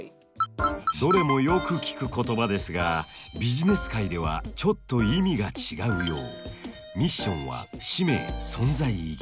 どれもよく聞く言葉ですがビジネス界ではちょっと意味が違うよう。